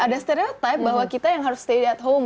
ada stereotype bahwa kita yang harus stay at home